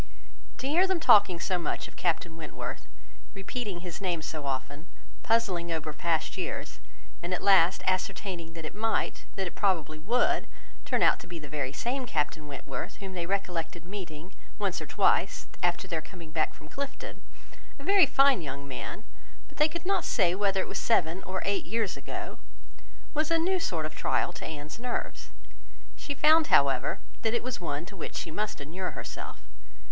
To hear them talking so much of Captain Wentworth, repeating his name so often, puzzling over past years, and at last ascertaining that it might, that it probably would, turn out to be the very same Captain Wentworth whom they recollected meeting, once or twice, after their coming back from Clifton—a very fine young man—but they could not say whether it was seven or eight years ago, was a new sort of trial to Anne's nerves. She found, however, that it was one to which she must inure herself.